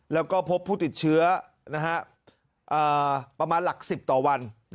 แล้วก็พบผู้ติดเชื้อประมาณหลัก๑๐ต่อวัน